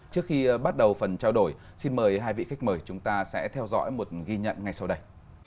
trước khi bắt đầu phần trao đổi xin mời hai vị khách mời chúng ta sẽ theo dõi một ghi nhận ngay sau đây